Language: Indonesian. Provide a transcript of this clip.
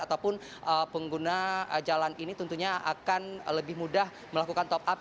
ataupun pengguna jalan ini tentunya akan lebih mudah melakukan top up